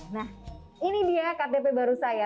nah ini dia ktp baru saya